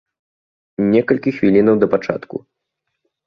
Некалькі хвілінаў да пачатку.